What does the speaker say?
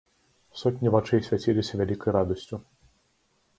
Сотні вачэй свяціліся вялікай радасцю.